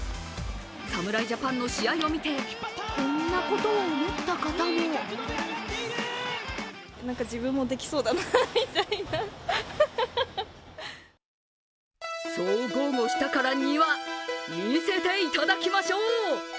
侍ジャパンの試合を見て、こんなことを思った方もそう豪語したからには見せていただきましょう！